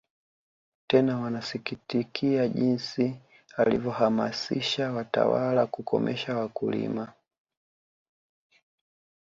Tena wanasikitikia jinsi alivyohamasisha watawala kukomesha wakulima